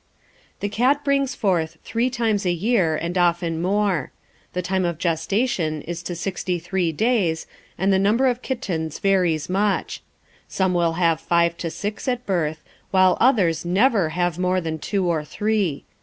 The cat brings forth three times a year, and often more. The time of gestation is to sixty three days, and the number of the kittens varies much. Some will have five to six at a birth, while others never have more than two or three.